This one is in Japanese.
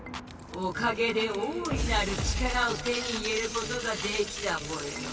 おかげで大いなる力を手に入れることができたぽよ。